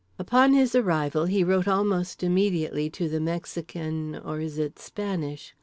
Upon his arrival he wrote almost immediately to the Mexican (or is it Spanish?)